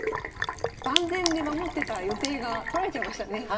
万全で守ってた予定が取られちゃいましたね。